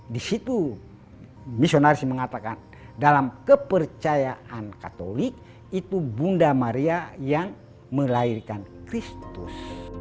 di situ misionaris mengatakan dalam kepercayaan katolik itu bunda maria yang melahirkan kristus